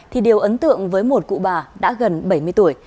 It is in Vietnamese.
thì điều ấn tượng với một cụ bà đã gần bảy mươi tuổi